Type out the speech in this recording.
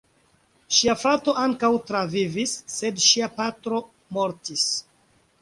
Ŝia frato ankaŭ travivis, sed ŝia patro mortis.